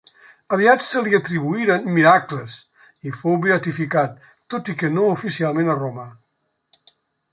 Aviat se li atribuïren miracles i fou beatificat, tot i que no oficialment a Roma.